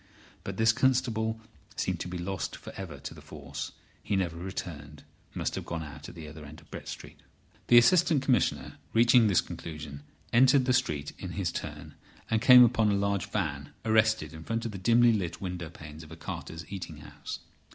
But this constable seemed to be lost for ever to the force. He never returned: must have gone out at the other end of Brett Street. The Assistant Commissioner, reaching this conclusion, entered the street in his turn, and came upon a large van arrested in front of the dimly lit window panes of a carter's eating house.